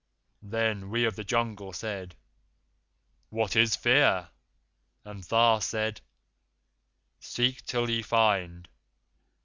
Then we of the jungle said, 'What is Fear?' And Tha said, 'Seek till ye find.